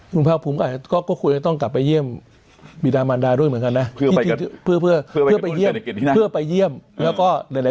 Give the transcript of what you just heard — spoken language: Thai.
คุณภาคภูมิก็ควรก็ควรจะต้องกลับไปเยี่ยมบิดามันดาด้วยเหมือนกันนะ